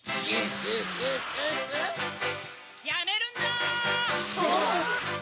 ・やめるんだ！